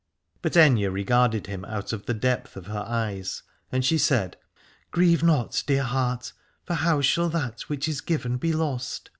But Aithne regarded him out of the depth of her eyes, and she said : Grieve not, dear heart, for how shall that which is given be lost